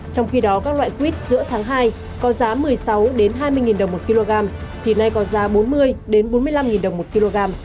trong khi đó các loại quýt giữa tháng hai có giá một mươi sáu hai mươi đồng một kg thì nay có giá bốn mươi bốn mươi năm đồng một kg